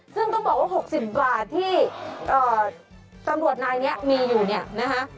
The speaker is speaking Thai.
ซึ่งต้องบอกว่า๖๐กว่าที่ตำรวจนายนี้มีอยู่เนี่ยนะคะ